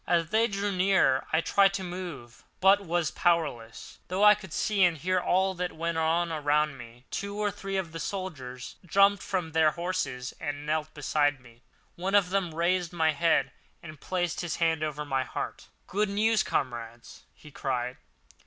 As they drew nearer I tried to move, but was powerless, although I could see and hear all that went on around me. Two or three of the soldiers jumped from their horses and knelt beside me. One of them raised my head, and placed his hand over my heart. "Good news, comrades!" he cried.